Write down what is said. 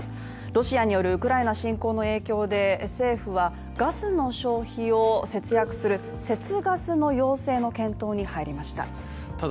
ロシアによるウクライナ侵攻の影響で政府はガスの消費を節約する節ガスの要請の検討に入りました。